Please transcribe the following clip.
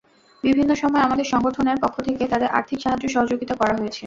বিভিন্ন সময়ে আমাদের সংগঠনের পক্ষ থেকে তাদের আর্থিক সাহায্য সহযোগিতা করা হয়েছে।